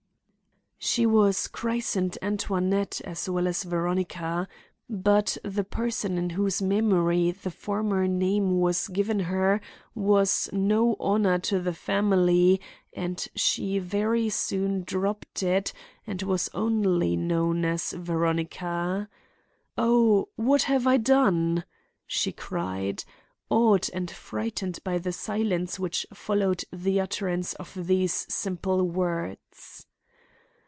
"She was christened Antoinette, as well as Veronica; but the person in whose memory the former name was given her was no honor to the family and she very soon dropped it and was only known as Veronica. Oh, what have I done?" she cried, awed and frightened by the silence which followed the utterance of these simple words.